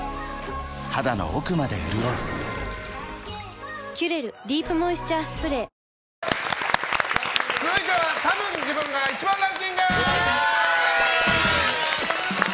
肌の奥まで潤う「キュレルディープモイスチャースプレー」続いてはたぶん自分が１番ランキング！